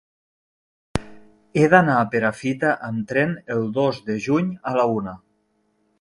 He d'anar a Perafita amb tren el dos de juny a la una.